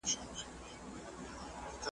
کرنه د کلیو پرمختګ کوي.